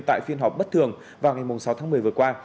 tại phiên họp bất thường vào ngày sáu tháng một mươi vừa qua